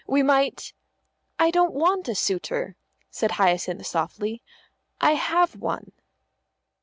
We might " "I don't want a suitor," said Hyacinth softly. "I have one."